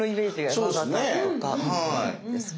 ですね。